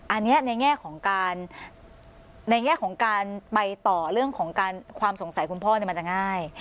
อันนี้ในแง่ของการในแง่ของการไปต่อเรื่องของการความสงสัยคุณพ่อมันจะง่าย